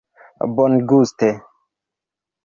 bonguste